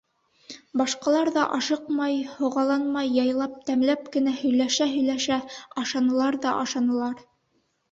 Башҡалар ҙа ашыҡмай, һоғаланмай, яйлап, тәмләп кенә, һөйләшә-һөйләшә ашанылар ҙа ашанылар.